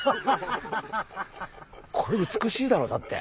これ美しいだろだって。